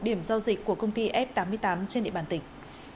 một mươi một điểm giao dịch của công ty f tám mươi tám trên địa bàn tỉnh